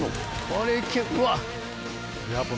これいける？うわ。